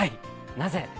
なぜ？